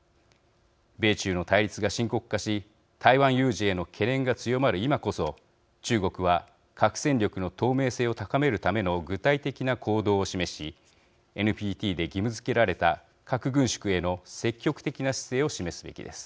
米中の対立が深刻化し台湾有事への懸念が強まる今こそ中国は核戦力の透明性を高めるための具体的な行動を示しＮＰＴで義務づけられた核軍縮への積極的な姿勢を示すべきです。